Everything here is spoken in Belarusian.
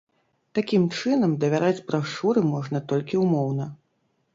Такім чынам, давяраць брашуры можна толькі ўмоўна.